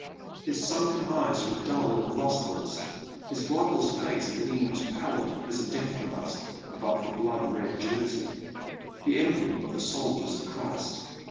His sunken eyes were dull and lustreless, his bloodless face gleamed pallid as a death mask above the blood red jersey — ^the em blem of the soldiers of Christ.